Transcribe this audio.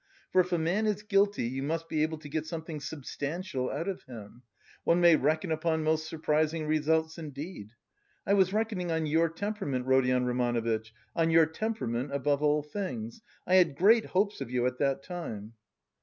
For if a man is guilty, you must be able to get something substantial out of him; one may reckon upon most surprising results indeed. I was reckoning on your temperament, Rodion Romanovitch, on your temperament above all things! I had great hopes of you at that time."